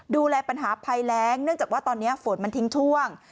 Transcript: ดูแลปัญหาภัยแรงเนื่องจากว่าตอนนี้ฝนมันทิ้งช่วง